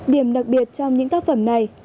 điểm đặc biệt trong những tác phẩm này